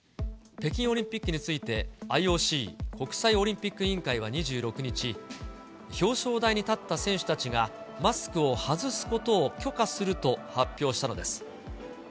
北京オリンピックについて、ＩＯＣ・国際オリンピック委員会は２６日、表彰台に立った選手たちがマスクを外すことを許可すると発表したのです。